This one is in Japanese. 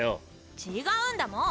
違うんだもん！